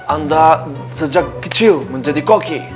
anda sejak kecil menjadi koki